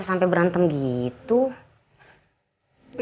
sampai jumpa next time